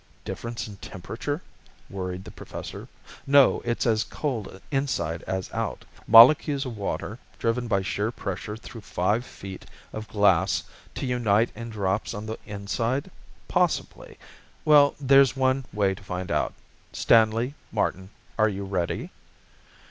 "Difference in temperature?" worried the Professor. "No, it's as cold inside as out. Molecules of water driven by sheer pressure through five feet of glass to unite in drops on the inside? Possibly. Well, there's one way to find out. Stanley, Martin are you ready?"